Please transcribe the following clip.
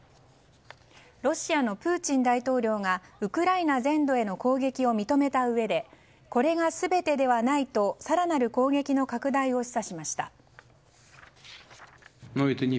ロシアのプーチン大統領がウクライナ全土への攻撃を認めたうえでこれが全てではないと更なる攻撃の拡大を示唆しました。